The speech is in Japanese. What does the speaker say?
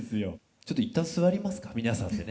ちょっと一旦座りますか皆さんでね。